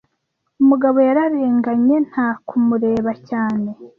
Umugabo yararenganye nta kumureba cyane.